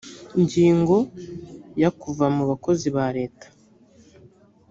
ingingo ya kuva mu bakozi ba leta